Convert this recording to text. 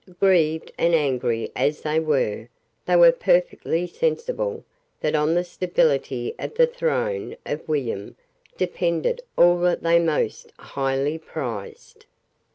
Grieved and angry as they were, they were perfectly sensible that on the stability of the throne of William depended all that they most highly prized.